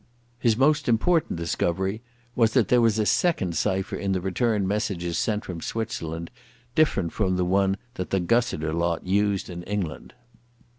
His most important discovery was that there was a second cipher in the return messages sent from Switzerland, different from the one that the Gussiter lot used in England.